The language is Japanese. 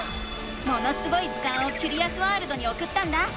「ものすごい図鑑」をキュリアスワールドにおくったんだ。